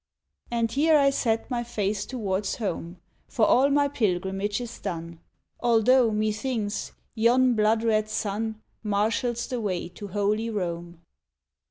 And here I set my face towards home, For all my pilgrimage is done, Although, methinks, yon blood red sun Marshals the way to Holy Rome.